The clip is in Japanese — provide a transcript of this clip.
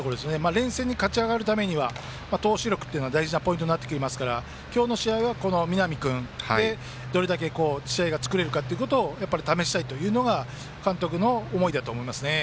連戦に勝ち上がるためには投手力が大事なポイントになってきますから今日の試合は南君でどれだけ試合が作れるかを試したいというのが監督の思いだと思います。